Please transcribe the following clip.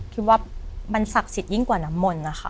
คิดว่ามันศักดิ์สิทธิยิ่งกว่าน้ำมนต์นะคะ